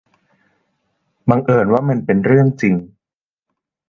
บังเอิญว่ามันเป็นเรื่องจริง